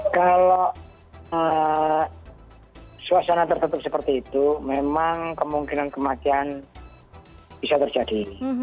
kalau suasana tertutup seperti itu memang kemungkinan kematian bisa terjadi